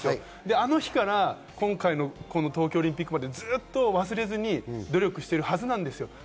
あの日から今回の東京オリンピックまでずっと忘れずに努力しているはずなんですよ。